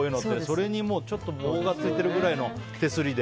それに、ちょっと棒がついてるぐらいの手すりで。